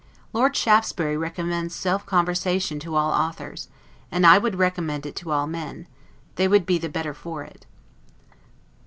Lord Shaftesbury recommends self conversation to all authors; and I would recommend it to all men; they would be the better for it.